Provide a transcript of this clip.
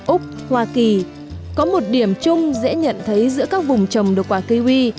úc hoa kỳ có một điểm chung dễ nhận thấy giữa các vùng trồng được quả kiwi